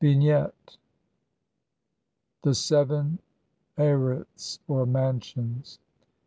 ] Vignette : The seven Arits (or mansions).